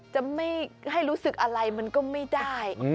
จะไม่ให้รู้สึกอะไรมันก็ไม่ได้